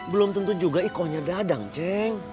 belum tentu juga ikonya dadang ceng